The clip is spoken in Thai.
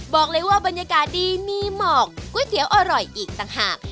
บอกเลยว่าบรรยากาศดีมีเหมาะกุ้ยเกี๊ยวอร่อยอีกต่างหาก